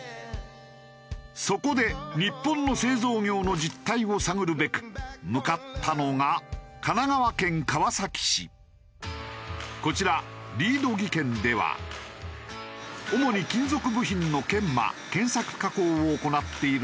そこで日本の製造業の実態を探るべく向かったのがこちらリード技研では主に金属部品の研磨研削加工を行っているのだが。